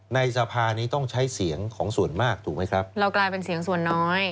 ในสภานี้ต้องใช้เสียงของส่วนมากถูกไหมครับเรากลายเป็นเสียงส่วนน้อย